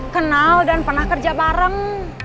kenal dan pernah kerja bareng